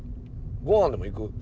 ごはんでも行く？